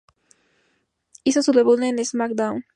Hizo su debut en SmackDown!